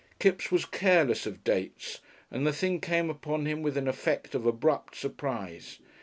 Kipps was careless of dates, and the thing came upon him with an effect of abrupt surprise.